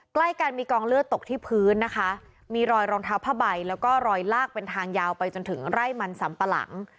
ใกล้กันมีกองเลือดตกที่พื้นนะคะมีรอยรองเท้าผ้าใบแล้วก็รอยลากเป็นทางยาวไปจนถึงไร่มันสำปะหลัง